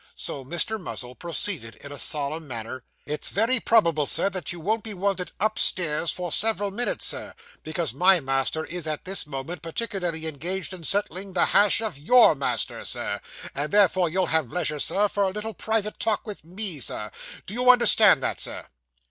So Mr. Muzzle proceeded in a solemn manner 'It's very probable, sir, that you won't be wanted upstairs for several minutes, Sir, because my master is at this moment particularly engaged in settling the hash of _your _master, Sir; and therefore you'll have leisure, Sir, for a little private talk with me, Sir. Do you understand that, Sir?